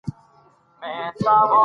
که واوره اوبه وساتو نو سیندونه نه وچیږي.